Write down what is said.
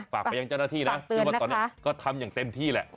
ฝากไปยังเจ้าหน้าที่นะที่ว่าตอนนี้ก็ทำอย่างเต็มที่แหละ